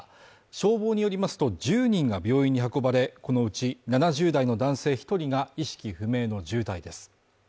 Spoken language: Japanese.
消防によりますと１０人が病院に運ばれ、このうち７０代の男性１人が意識不明の重体です。